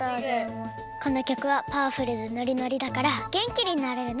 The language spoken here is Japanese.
このきょくはパワフルでノリノリだからげんきになれるね。